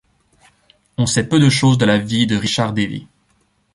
On sait peu de chose de la vie de Richard Davy.